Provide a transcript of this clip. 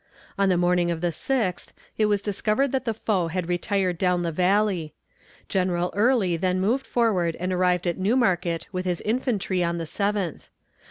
On the morning of the 6th it was discovered that the foe had retired down the Valley. General Early then moved forward and arrived at New Market with his infantry on the 7th.